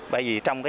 bởi vì nó không đúng